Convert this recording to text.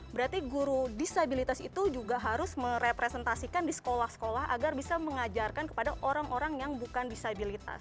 berarti guru disabilitas itu juga harus merepresentasikan di sekolah sekolah agar bisa mengajarkan kepada orang orang yang bukan disabilitas